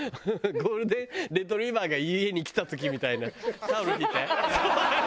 ゴールデン・レトリーバーが家に来た時みたいなタオル敷いてソファに。